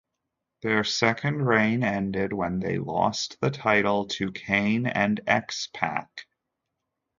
Their second reign ended when they lost the title to Kane and X-Pac.